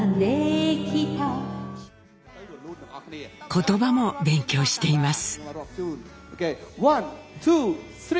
言葉も勉強しています。